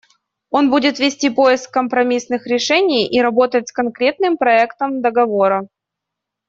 Он будет вести поиск компромиссных решений и работать с конкретным проектом договора.